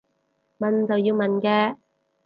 問就要問嘅